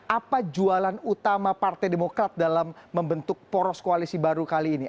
apa jualan utama partai demokrat dalam membentuk poros koalisi baru kali ini